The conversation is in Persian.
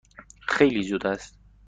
خیلی زود است.